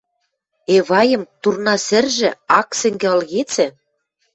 Эвайым турна сӹржӹ ак сӹнгӹ ылгецӹ